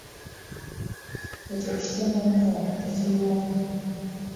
Ekyo kitono nnyo! tekiyombya.